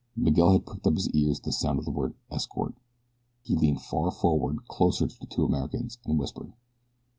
Miguel had pricked up his ears at the sound of the word ESCORT. He leaned far forward, closer to the two Americans, and whispered.